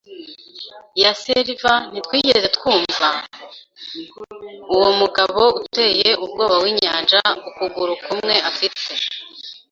Ya silver ntitwigeze twumva. Uwo mugabo uteye ubwoba winyanja ukuguru kumwe afite